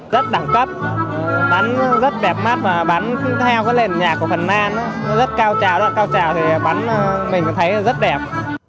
rất đẳng cấp bánh rất đẹp mắt mà bánh theo cái lền nhạc của phần lan rất cao trào đoạn cao trào thì bánh mình thấy rất đẹp